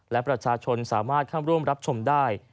และประชาชนสามารถเข้าร่วมรับชมได้